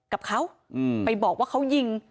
กับเขาไปบอกว่าเขายิง